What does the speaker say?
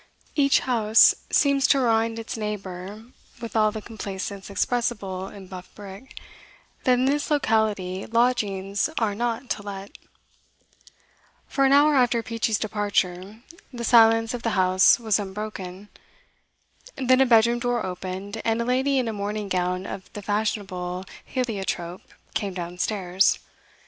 Each house seems to remind its neighbour, with all the complacence expressible in buff brick, that in this locality lodgings are not to let. For an hour after Peachey's departure, the silence of the house was unbroken. Then a bedroom door opened, and a lady in a morning gown of the fashionable heliotrope came downstairs.